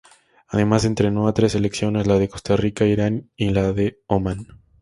Además entrenó a tres selecciones, la de Costa Rica, Irán y la de Omán.